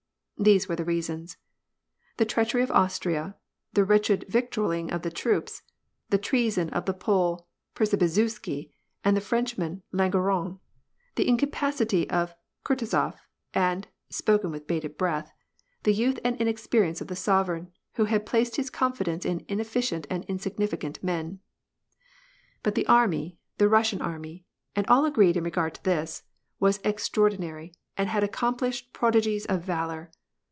These were the reasons : The treachery of Austria, the wretched victualling of the troops, the tieason of the Pole Prsczebiszewsky and the Frenchman Langeron, the incapacity of Kutuzof and — spoken with bated breath — the youth and inexperience of the sovereign, who had placed his confidence in inefficient and insignificant men. But the army, the Russian army, — and all agreed in regard to this — was extraordinary, and had accomplished prodigies of valor.